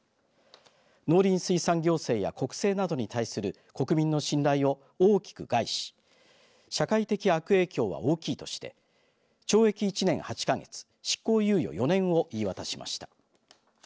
農林水産行政や国政などに対する国民の信頼を大きく害し社会的悪影響は大きいとして懲役１年８か月執行猶予４年を言い渡しました。